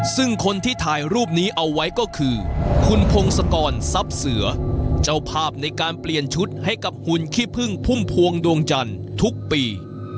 ซึ่งคนที่ถ่ายรูปนี้เอาไว้ก็คือคุณพงศกรทรัพย์เสือเจ้าภาพในการเปลี่ยนชุดให้กับหุ่นขี้พึ่งพุ่มพวงดวงจันทร์ทุกปี